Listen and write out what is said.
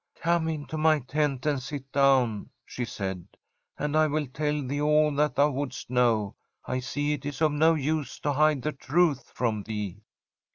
Come into my tent and sit down,' she said, ' and I will tell thee all that thou wouldest know. I see it is of no use to hide the truth from thee.'